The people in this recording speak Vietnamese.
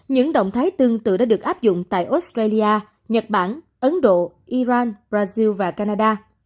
những động thái tương tự đã được áp dụng tại australia nhật bản ấn độ iran brazil và canada